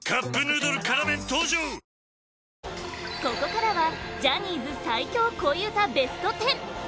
ここからはジャニーズ最強恋うたベスト１０！